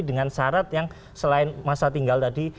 dengan syarat yang selain masa tinggal tadi